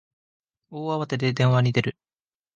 大慌てで電話に出る